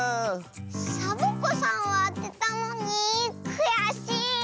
サボ子さんはあてたのにくやしい。